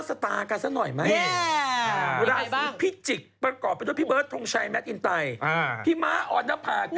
มาทะยังด้วยตกทะยังด้วย